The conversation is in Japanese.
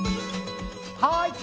はい！